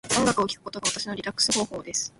音楽を聴くことが私のリラックス方法です。